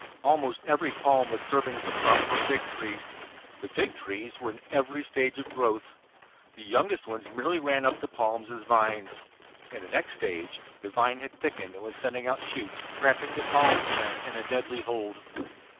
Almost every palm was serving as a prop for a fig tree. The fig trees were in every stage of growth. The youngest ones merely ran up the palms as vines. In the next stage the vine had thickened and was sending out shoots, wrapping the palm stem in a deadly hold.